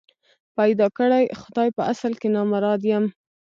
پيدا کړی خدای په اصل کي نامراد یم